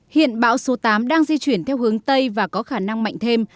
hiện bão số tám đang di chuyển theo hướng tây và có khả năng mạnh thêm